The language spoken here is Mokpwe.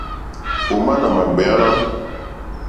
Ò má nà mà ɡbèáná.